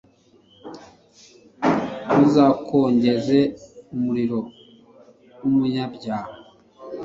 ntuzakongeze umuriro w'umunyabyaha